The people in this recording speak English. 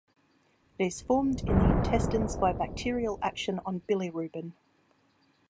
It is formed in the intestines by bacterial action on bilirubin.